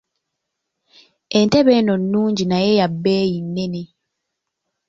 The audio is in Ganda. Entebe eno nnungi naye ya bbeeyi nnene.